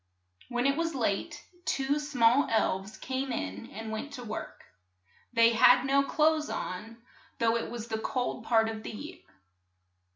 When it was late, two small elves came in and went to work. They had no clothes on, though it was the cold part of the year.